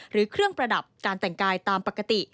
หรือเครื่องประดับการแต่งกายตามปกติ